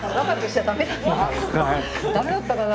駄目だったかな？